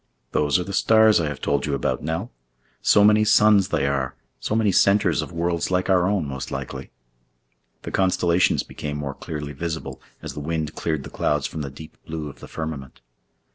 "Those are the stars I have told you about, Nell. So many suns they are, so many centers of worlds like our own, most likely." The constellations became more clearly visible as the wind cleared the clouds from the deep blue of the firmament.